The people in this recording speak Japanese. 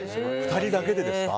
２人だけでですか？